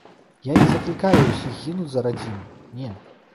Я не заклікаю ўсіх гінуць за радзіму, не.